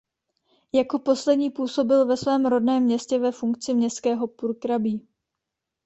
Jako poslední působil ve svém rodném městě ve funkci městského purkrabí.